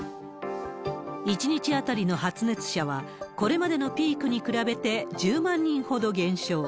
１日当たりの発熱者は、これまでのピークに比べて１０万人ほど減少。